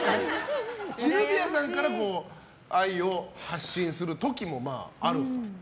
シルビアさんから愛を発信する時もあるんですか。